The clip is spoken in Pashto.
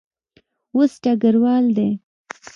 اوس ډګروال دی.